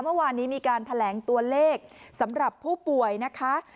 เมื่อวานนี้มีการแถลงตัวเลขสำหรับผู้ป่วยนะคะ